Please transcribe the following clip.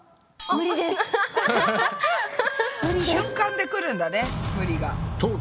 瞬間で来るんだね無理が。